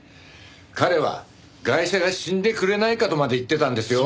彼はガイシャが死んでくれないかとまで言ってたんですよ。